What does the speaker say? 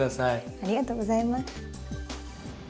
ありがとうございます。